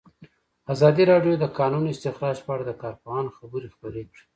ازادي راډیو د د کانونو استخراج په اړه د کارپوهانو خبرې خپرې کړي.